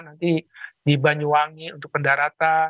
nanti di banyuwangi untuk pendaratan